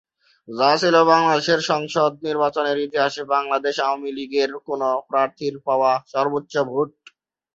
যা ছিল বাংলাদেশের সংসদ নির্বাচনের ইতিহাসে বাংলাদেশ আওয়ামী লীগের কোন প্রার্থীর পাওয়া সর্বোচ্চ ভোট।